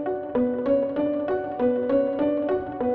orang yang tadi siang dimakamin